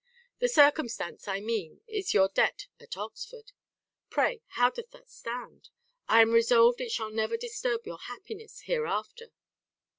The circumstance, I mean, is your debt at Oxford; pray, how doth that stand? I am resolved it shall never disturb your happiness hereafter.